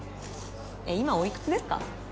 えっ今おいくつですか？